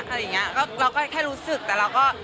เราก็แค่รู้สึกแต่เราก็